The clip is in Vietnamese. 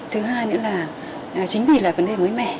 thứ hai nữa là chính vì là vấn đề mới mẻ